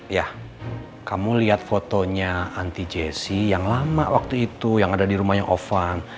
ya kamu liat fotonya anti jessie yang lama waktu itu yang ada dirumahnya ovan